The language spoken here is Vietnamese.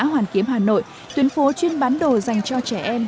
hoàn kiếm hà nội tuyến phố chuyên bán đồ dành cho trẻ em